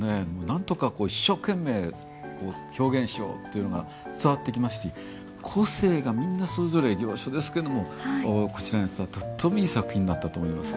なんとか一生懸命表現しようというのが伝わってきますし個性がみんなそれぞれ行書ですけどもこちらに伝わるとってもいい作品になったと思います。